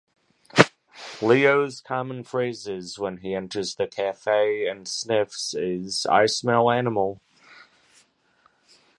Leo's common phrases when he enters the cafe and sniffs is I smell animal!